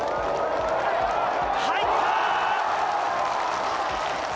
入った！